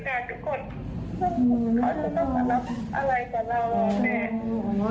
ใช่ค่ะแล้วพี่พนักการณ์ทุกคนเขาจะต้องประนับอะไรกับเราแน่